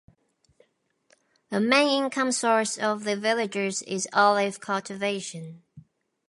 The main income source of the villagers is olive cultivation.